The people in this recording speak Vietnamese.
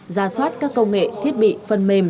gia soát các công nghệ thiết bị phần mềm